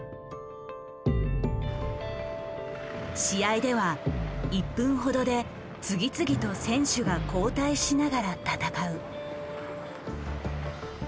試合では１分ほどで次々と選手が交代しながら戦う。